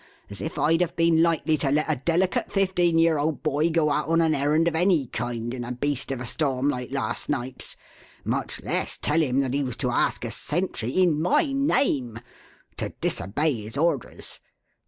As if I'd have been likely to let a delicate fifteen year old boy go out on an errand of any kind in a beast of a storm like last night's, much less tell him that he was to ask a sentry, in my name, to disobey his orders.